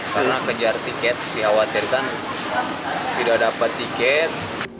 karena kejar tiket dikhawatirkan tidak dapat tiket